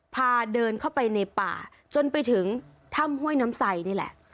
พาเดินเข้าไปในป่าจนไปถึงถ้ำห้วยน้ำใสนี่แหละ